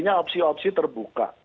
ini opsi opsi terbuka